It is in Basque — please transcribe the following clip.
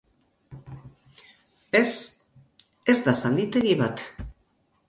Ez, ez da zalditegi bat.